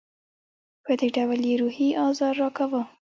په دې ډول یې روحي آزار راکاوه.